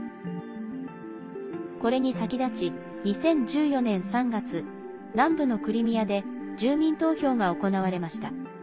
これに先立ち、２０１４年３月南部のクリミアで住民投票が行われました。